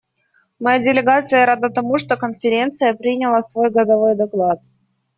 Моя делегация рада тому, что Конференция приняла свой годовой доклад.